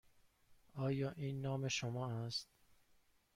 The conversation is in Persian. آیا این نام شما است؟